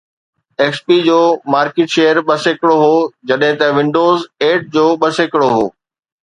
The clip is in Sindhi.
ايڪس پي جو مارڪيٽ شيئر ٻه سيڪڙو هو جڏهن ته ونڊوز ايٽ جو ٻه سيڪڙو هو